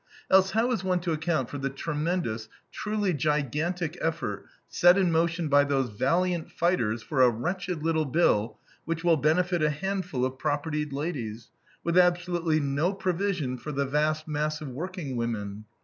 Else how is one to account for the tremendous, truly gigantic effort set in motion by those valiant fighters for a wretched little bill which will benefit a handful of propertied ladies, with absolutely no provision for the vast mass of workingwomen?